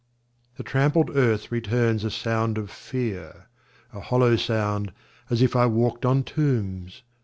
The trampled earth returns a sound of fear A hollow sound, as if I walked on tombs!